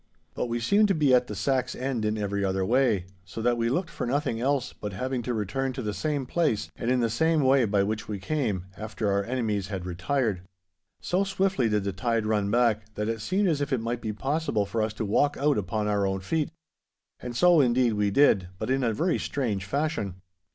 But we seemed to be at the sack's end in every other way, so that we looked for nothing else but having to return to the same place, and in the same way by which we came, after our enemies had retired. So swiftly did the tide run back, that it seemed as if it might be possible for us to walk out upon our own feet. And so indeed we did, but in a very strange fashion.